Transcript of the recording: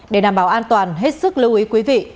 để đảm bảo an toàn hết sức lưu ý quý vị